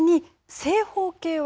正方形は？